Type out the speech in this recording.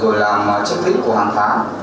rồi làm checklist của hàng tháng